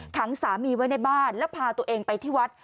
ขังสามีไว้ในบ้านแล้วพาตัวเองไปที่วัด